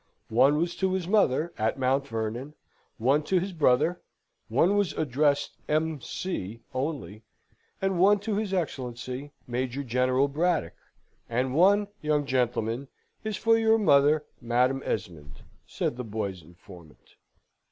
One was to his mother, at Mount Vernon; one to his brother; one was addressed M. C. only; and one to his Excellency, Major General Braddock. "And one, young gentleman, is for your mother, Madam Esmond," said the boys' informant.